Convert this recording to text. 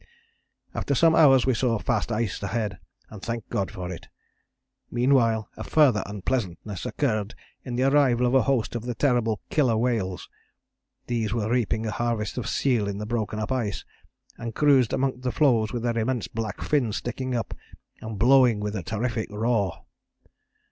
After some hours we saw fast ice ahead, and thanked God for it. Meanwhile a further unpleasantness occurred in the arrival of a host of the terrible 'killer' whales. These were reaping a harvest of seal in the broken up ice, and cruised among the floes with their immense black fins sticking up, and blowing with a terrific roar.